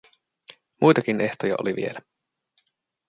Muitakin ehtoja oli vielä.